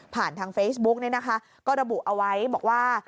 ผ่านทางเฟซบุ๊กนะคะก็ระบุเอาไว้บอกว่า